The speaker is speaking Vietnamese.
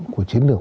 của chiến lược